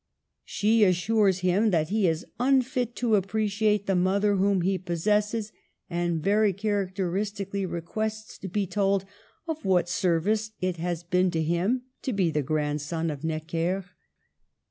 She assures him that he is unfit to appreciate the mother whom he possesses, and very charac teristically requests to be told of what service it has been to him to be " the grandson of Necker."